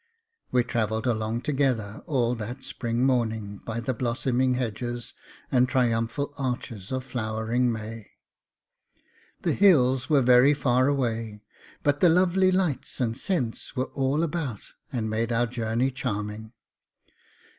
We travelled along together all that spring morning by the blossoming hedges, and triumphal arches of flowering May; the hills were very far away, but the lovely lights and scents were all about and made our journey charming.